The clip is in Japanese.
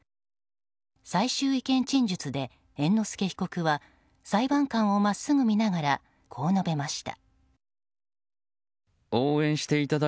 最終意見陳述で猿之助被告は裁判官を真っすぐ見ながらこう述べました。